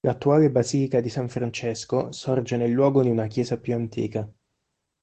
L'attuale basilica di San Francesco sorge nel luogo di una chiesa più antica.